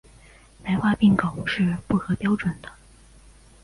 白化病狗是不合标准的。